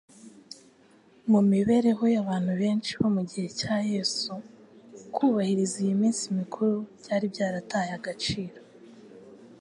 Mu mibereho y'abantu benshi bo mu gihe cya Yesu, kubahiriza iyi minsi mikuru byari byarataye agaciro